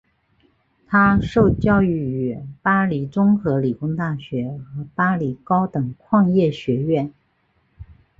他受教育于巴黎综合理工大学和巴黎高等矿业学院。